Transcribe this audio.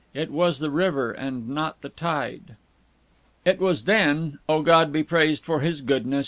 It was the river, and not the tide! It was then O God be praised for his goodness!